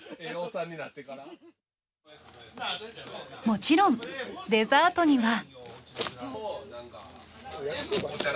もちろんデザートには。